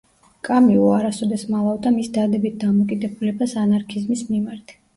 კამიუ არასოდეს მალავდა მის დადებით დამოკიდებულებას ანარქიზმის მიმართ.